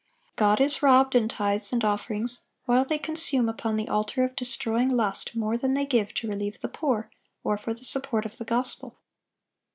God is robbed in tithes and offerings, while they consume upon the altar of destroying lust more than they give to relieve the poor or for the support of the gospel.